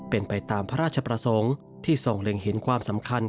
เป็นไปตามพระราชประสงค์ที่ส่งเล็งเห็นความสำคัญ